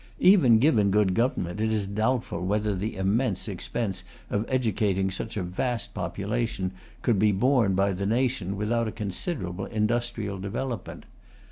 Even given good government, it is doubtful whether the immense expense of educating such a vast population could be borne by the nation without a considerable industrial development.